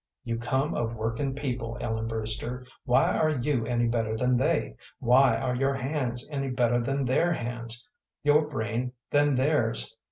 "You come of working people, Ellen Brewster. Why are you any better than they? Why are your hands any better than their hands, your brain than theirs?